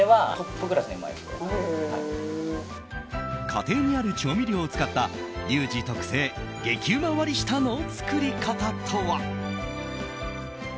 家庭にある調味料を使ったリュウジ特製激うま割り下の作り方とは？